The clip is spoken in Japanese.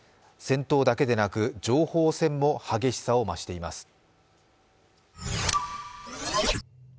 戦闘だけでなく情報戦も激しさを増しています。